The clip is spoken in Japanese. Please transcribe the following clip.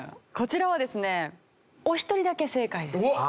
こちらはですねお一人だけ正解です。